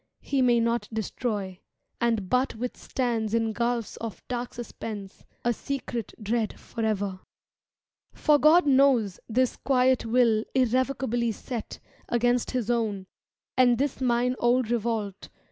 He may not destroy, And but withstands in gulfs of dark suspense, A secret dread forever. For God knows This quiet will irrevocably set Against His own, and this mine old revolt.